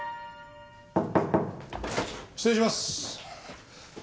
失礼します。